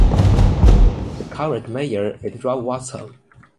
The current mayor is Rob Watson.